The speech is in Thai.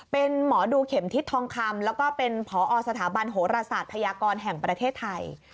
เป็นหมอดูเข็มทิศทองคำแล้วก็เป็นผอสถาบันโหรศาสตร์พยากรแห่งประเทศไทย